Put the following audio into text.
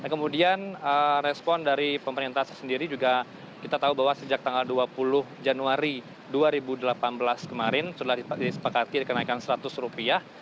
kemudian respon dari pemerintah sendiri juga kita tahu bahwa sejak tanggal dua puluh januari dua ribu delapan belas kemarin sudah disepakati kenaikan status rupiah